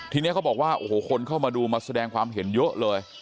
ทีนี้เขาบอกว่าโอ้โหคนเข้ามาดูมาแสดงความเห็นเยอะเลย